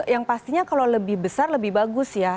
yang pastinya kalau lebih besar lebih bagus ya